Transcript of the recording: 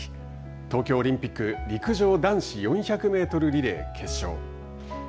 東京オリンピック陸上男子４００メートルリレー決勝。